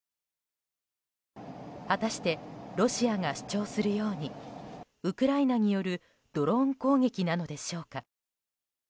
果たしてロシアが主張するようにウクライナによるドローン攻撃なのでしょうか。